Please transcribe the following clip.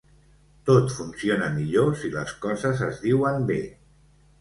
Tot funciona millor si les coses es diuen bé.